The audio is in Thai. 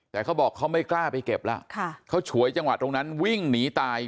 แต่เขาบอกเขาไม่กล้าไปเก็บแล้วเขาฉวยจังหวะตรงนั้นวิ่งหนีตาย